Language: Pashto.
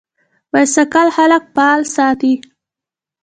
بایسکل خلک فعال ساتي.